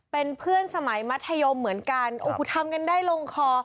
เป็นเพื่อนสมัยมัธยมเหมือนกันโอ้โหทำกันได้ลงคอ